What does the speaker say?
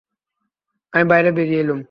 আমি বাইরে বেরিয়ে এলুম।